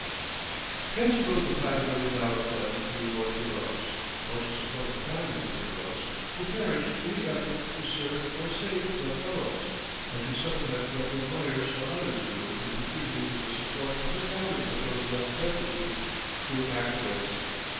Hence arose the five million dollar fund to reward heroes, or to support the families of heroes, who perish in the effort to serve or save their fellows, and to supplement what employers or others do in contributing to the support of the families of those left destitute through accidents.